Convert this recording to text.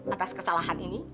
atas kesalahan ini